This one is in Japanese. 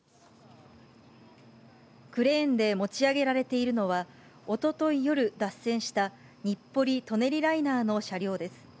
クレーンで持ち上げられているのは、おととい夜、脱線した日暮里・舎人ライナーの車両です。